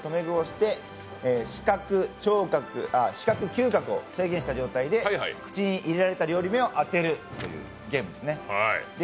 視覚と嗅覚を制限した状態で口に入れられた料理を当てるというゲームですね。